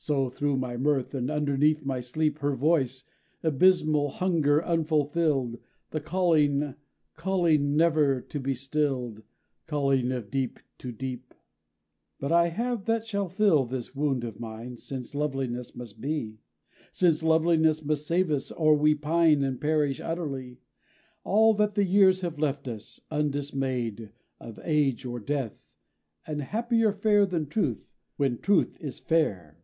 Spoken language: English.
_' So, through my mirth and underneath my sleep; Her voice, abysmal hunger unfulfilled; The calling, calling, never to be stilled, Calling of deep to deep. But I have that shall fill this wound of mine, Since Loveliness must be; Since Loveliness must save us, or we pine And perish utterly. All that the years have left us, undismayed Of age or death; and happier fair than truth, When truth is fair!